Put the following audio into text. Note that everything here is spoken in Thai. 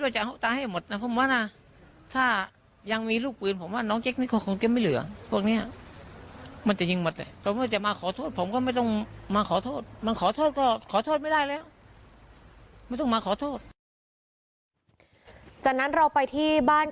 จากนั้นเราไปที่บ้านของเข็มไม่เหลือง